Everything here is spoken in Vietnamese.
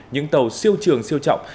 những tàu siêu trường siêu trọng